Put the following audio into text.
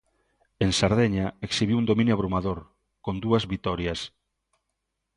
En Sardeña exhibiu un dominio abrumador, cun dúas vitorias.